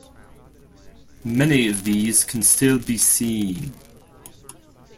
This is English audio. Many of these can still be seen.